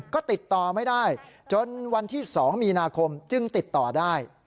ก็ติดต่อไม่ได้จนวันที่๒มีนาคมจึงติดต่อได้